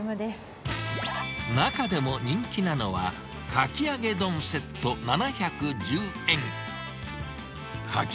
中でも人気なのは、かき揚げ丼セット７１０円。